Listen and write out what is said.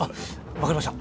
分かりました。